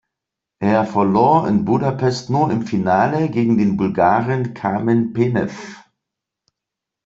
Er verlor in Budapest nur im Finale gegen den Bulgaren Kamen Penew.